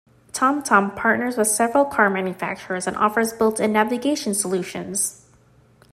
TomTom partners with several car manufacturers and offers built-in navigation solutions.